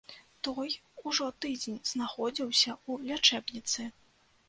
Той ужо тыдзень знаходзіўся ў лячэбніцы.